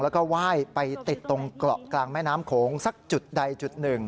แล้วก็ไหว้ไปติดตรงเกาะกลางแม่น้ำโขงสักจุดใดจุดหนึ่ง